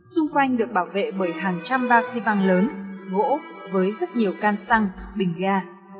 xung quanh được bảo vệ bởi hàng trăm bao xipang lớn gỗ với rất nhiều can xăng bình ga